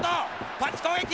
パンチ攻撃！